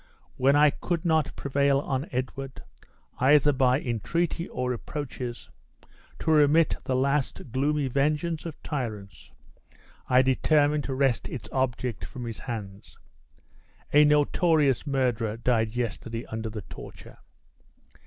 When I could not prevail on Edward, either by entreaty or reproaches, to remit the last gloomy vengeance of tyrants, I determined to wrest its object from his hands. A notorious murderer died yesterday under the torture.